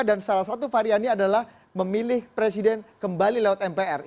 salah satu variannya adalah memilih presiden kembali lewat mpr